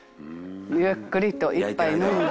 「ゆっくりと一杯飲んで」